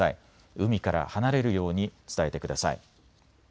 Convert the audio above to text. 海から離れるように伝えてください。